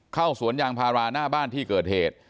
สวนยางพาราหน้าบ้านที่เกิดเหตุ